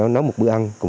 nấu một bữa ăn